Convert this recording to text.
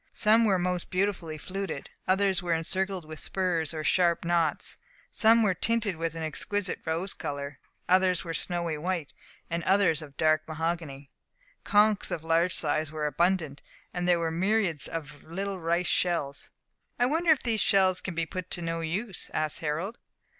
Some were most beautifully fluted; others were encircled with spurs or sharp knots; some were tinted with an exquisite rose colour; others were snowy white, and others of a dark mahogany. Conchs of a large size were abundant, and there were myriads of little rice shells. "I wonder if these shells can be put to no use?" asked Harold.